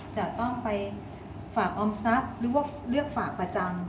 จะต้องไปฝากออมทรัพย์หรือว่าเลือกฝากประจำ